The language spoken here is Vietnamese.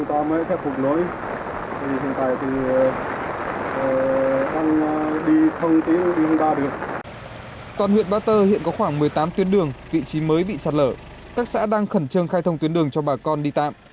tại các tuyến giao thông huyết mạch nối trung tâm huyện ba tơ thì các xã vùng sâu bị tê liệt hoàn toàn